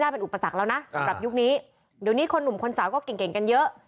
เดี๋ยวนี้คนหนุ่มคนสาวก็เก่งกันเยอะ